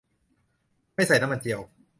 ไม่ใส่น้ำมันเจียว